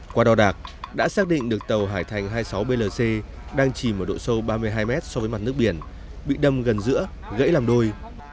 qua đo đạc đã xác định được tàu hải thành hai mươi sáu blc đang chìm ở độ sâu ba mươi hai mét so với mặt nước biển bị đâm gần giữa gãy làm đôi